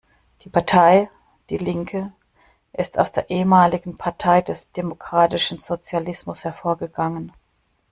Die Partei die Linke ist aus der ehemaligen Partei des Demokratischen Sozialismus hervorgegangen.